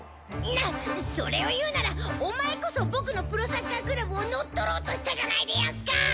なっそれを言うならお前こそ僕のプロサッカークラブを乗っ取ろうとしたじゃないでヤンスか！